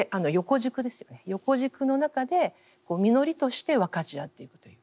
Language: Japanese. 横軸の中で実りとして分かち合っていくという。